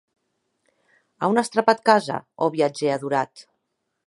A on as trapat casa, ò viatgèr adorat?